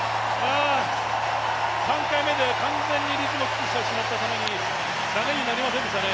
３回目で完全にリズムを崩してしまったために投げになりませんでしたね。